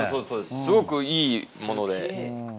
すごくいいもので。